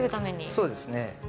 そうですね。